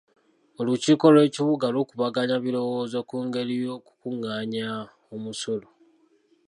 Olukiiko lw'ekibuga lukubaganya birowoozo ku ngeri y'okukungaanya omusolo.